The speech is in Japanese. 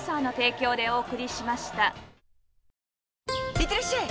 いってらっしゃい！